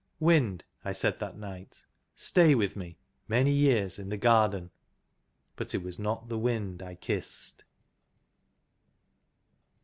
" Wind," I said that night, " stay with me many years in the garden." But it was not the Wind I kissed.